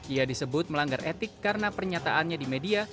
ia disebut melanggar etik karena pernyataannya di media